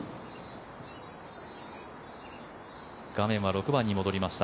画面は６番に戻りました